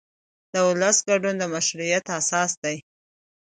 د ولس ګډون د مشروعیت اساس دی